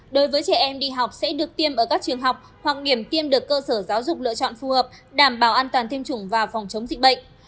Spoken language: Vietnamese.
đối với trẻ em đi học sẽ được tiêm ở các trường học hoặc điểm tiêm được cơ sở giáo dục lựa chọn phù hợp đảm bảo an toàn tiêm chủng và phòng chống dịch bệnh